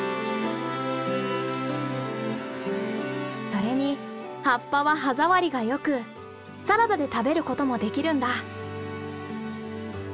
それに葉っぱは歯触りがよくサラダで食べることもできるんだ。